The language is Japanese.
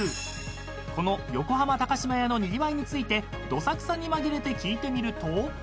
［この横浜島屋のにぎわいについてどさくさに紛れて聞いてみると］